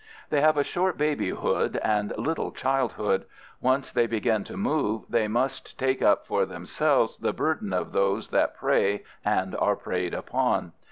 They have a short babyhood and little childhood. Once they begin to move they must take up for themselves the burden of those that prey and are preyed upon.